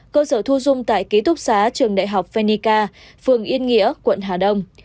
cơ sở thu dung tại ký túc xá trường đại học phenica phường yên nghĩa quận hà đông